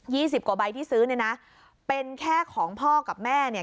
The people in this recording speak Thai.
ี่สิบกว่าใบที่ซื้อเนี่ยนะเป็นแค่ของพ่อกับแม่เนี่ย